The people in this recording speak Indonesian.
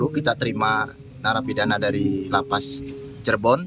delapan belas tiga puluh kita terima narapidana dari lapas cirebon